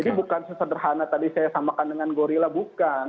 jadi bukan sesederhana tadi saya samakan dengan gorilla bukan